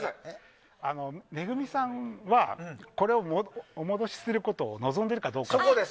ＭＥＧＵＭＩさんはこれをお戻しすることを望んでいるかどうか。